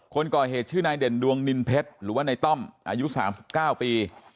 คนก่อเหตุชื่อนายเด่นดวงนินเพชรหรือว่าในต้อมอายุ๓๙ปี